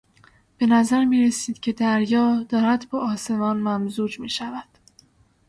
به نظر میرسید که دریا دارد با آسمان ممزوج میشود.